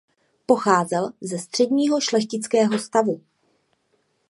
Pocházel ze středního šlechtického stavu.